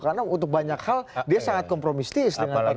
karena untuk banyak hal dia sangat kompromistis dengan partai partai politik